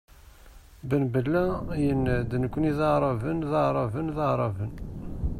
Ben Bella yenna-d: "Nekni d aɛraben, d aɛraben, d aɛraben".